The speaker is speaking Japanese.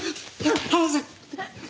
離せ。